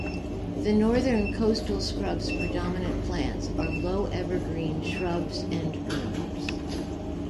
The Northern coastal scrub's predominant plants are low evergreen shrubs and herbs.